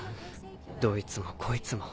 どいつもこいつも。